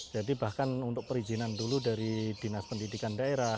jadi bahkan untuk perizinan dulu dari dinas pendidikan daerah